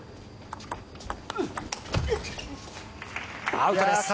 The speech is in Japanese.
アウトです。